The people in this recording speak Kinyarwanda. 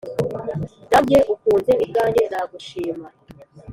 nanjye ukunze ubwanjye nagushima,